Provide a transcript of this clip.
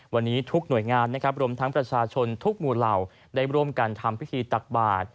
วันนี้ทุกหน่วยงานนะครับรวมทั้งประชาชนทุกหมู่เหล่าได้ร่วมกันทำพิธีตักบาท